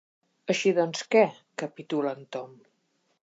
Així doncs què —capitula el Tom—.